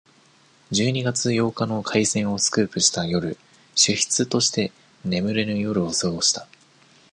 十二月八日の開戦をスクープした夜、主筆として、眠れぬ夜を過ごした。